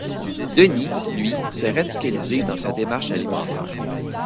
Denis, lui, s'est radicalisé dans sa démarche alimentaire.